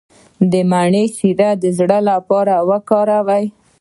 د مڼې شیره د زړه لپاره وکاروئ